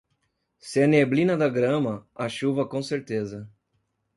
Se a neblina da grama, a chuva com certeza.